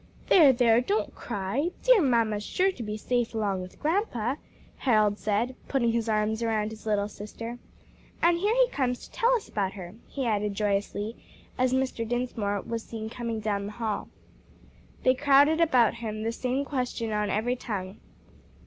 "There, there, don't cry; dear mamma's sure to be safe along with grandpa," Harold said, putting his arms around his little sister. "And here he comes to tell us about her," he added joyously, as Mr. Dinsmore was seen coming down the hall. They crowded about him, the same question on every tongue.